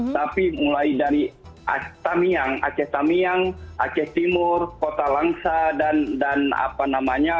tapi mulai dari tamiang aceh tamiang aceh timur kota langsa dan apa namanya